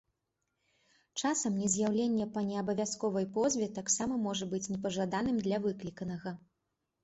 Часам нез'яўленне па неабавязковай позве таксама можа быць непажаданым для выкліканага.